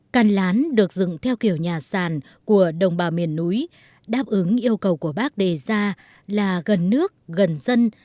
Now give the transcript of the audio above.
căn lán được dựng theo kiểu nhà sàn của đồng bào miền núi đáp ứng yêu cầu của bác đề ra là gần nước gần dân